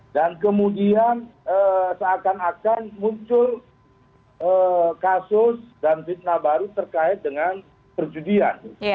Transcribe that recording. dan kemudian seakan akan muncul kasus dan fitnah baru terkait dengan perjudian